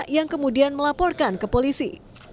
yang kemudian melaporkan ke polisi